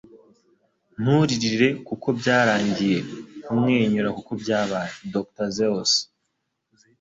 Nturirire kuko byarangiye, kumwenyura kuko byabaye.” —Dr. Seuss